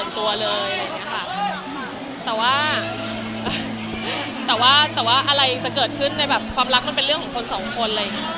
แต่ว่าอะไรจะเกิดขึ้นในความรักมันเป็นเรื่องของคนสองคน